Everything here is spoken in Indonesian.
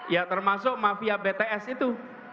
ya termasuk mafia bts itu